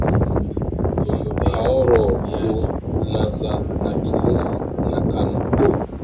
kaoro unaza na kanisi na kano